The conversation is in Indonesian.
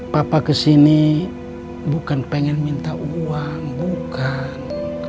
papa kesini bukan pengen minta uang bukan